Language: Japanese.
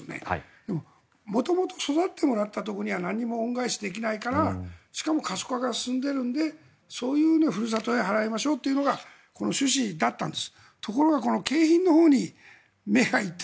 でも、元々育ててもらったところに何も恩返しできないからしかも過疎化が進んでいるのでそういうのをふるさとへ払いましょうというのがこの趣旨だったんです。